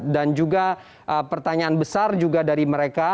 dan juga pertanyaan besar juga dari mereka